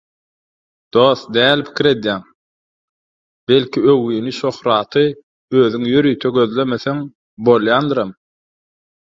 Dost, nähili pikir edýäň, belki öwgini, şöhraty özüň ýörite gözlemeseň bolýandyram.